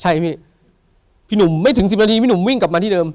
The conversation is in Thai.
ใช่พี่พี่หนุ่มไม่ถึงสิบนาทีพี่หนุ่มวิ่งกลับมาที่เดิม